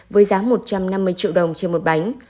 với giá một trăm năm mươi triệu đồng trên một bánh